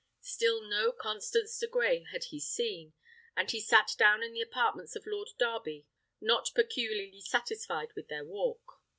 Still no Constance de Grey had he seen, and he sat down in the apartments of Lord Darby, not peculiarly satisfied with their walk.